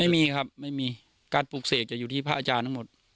ไม่มีครับไม่มีการปลูกเสกจะอยู่ที่พระอาจารย์ทั้งหมด